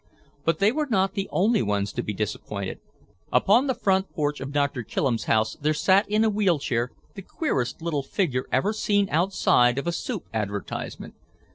But they were not the only ones to be disappointed. Upon the front porch of Doctor Killem's house there sat in a wheel chair the queerest little figure ever seen outside of a soup advertisement.